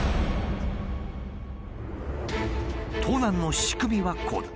盗難の仕組みはこうだ。